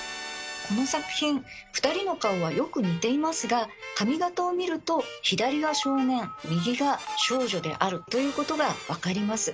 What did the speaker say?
この作品２人の顔はよく似ていますが髪型を見ると左が少年右が少女であるということが分かります。